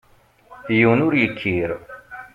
Yiwen ur yekkir.